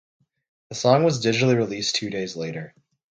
The song was digitally released two days later.